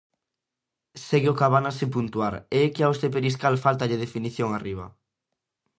Segue o Cabana sen puntuar, e é que aos de Periscal fáltalle definición arriba.